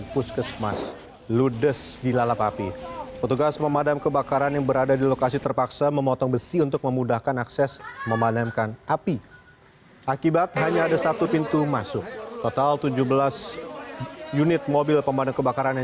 pembangunan pembangunan pembangunan pembangunan